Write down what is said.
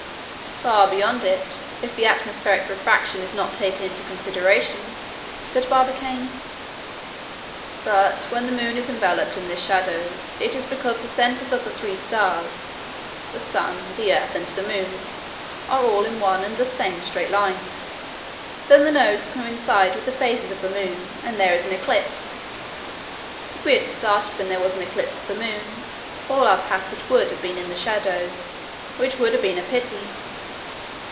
"Far beyond it, if the atmospheric refraction is not taken into consideration," said Barbicane. "But when the moon is enveloped in this shadow, it is because the centers of the three stars, the sun, the earth, and the moon, are all in one and the same straight line. Then the nodes coincide with the phases of the moon, and there is an eclipse. If we had started when there was an eclipse of the moon, all our passage would have been in the shadow, which would have been a pity."